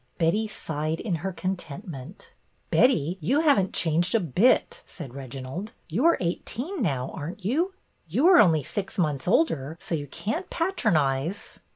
'^ Betty sighed in her contentment. " Betty, you have n't changed a bit," said Regi nald. ''You are eighteen now, aren't you?" " You are only six months older, so you can't patronize."